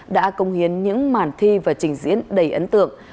đã công hiến những màn thi và trình diễn đầy ấn tượng